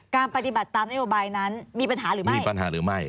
การปฏิบัติตามนโยบายนั้นมีปัญหาหรือไม่